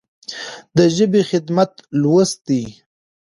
د ژبې خدمت لوست دی.